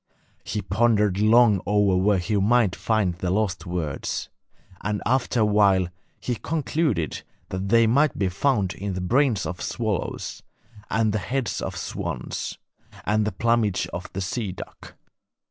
He pondered long over where he might find the lost words, and after a while he concluded that they might be found in the brains of swallows and the heads of swans and the plumage of the sea duck.